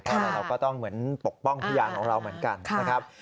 เพราะอะไรเราก็ต้องเหมือนปกป้องพยานของเราเหมือนกันนะครับ